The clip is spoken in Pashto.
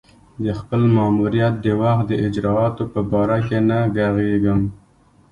د خپل ماموریت د وخت د اجرآتو په باره کې نه ږغېږم.